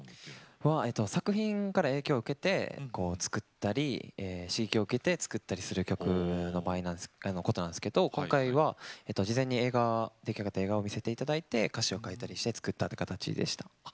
作品から影響を受けて作ったり刺激を受けて作ったりする曲のことなんですけれど今回は事前に映画を出来上がった映画を見せていただいて歌詞を作ったりして作りました。